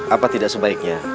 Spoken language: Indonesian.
apa tidak sebaiknya